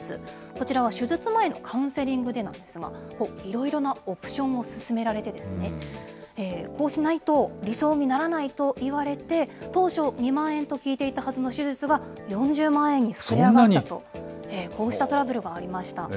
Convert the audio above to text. こちらは手術前のカウンセリングでですが、いろいろなオプションを勧められて、こうしないと理想にならないと言われて、当初、２万円と聞いていたはずの手術が、４０万円に膨れ上がったと、こうしたトラブルがありました。